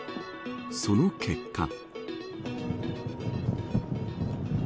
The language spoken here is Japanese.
その結果。